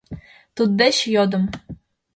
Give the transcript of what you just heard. Туддеч йодым: